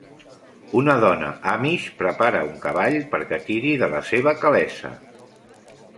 Una dona amish prepara un cavall perquè tiri de la seva calessa.